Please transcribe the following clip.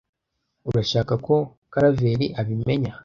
Urashaka ko Karaveri abimenya?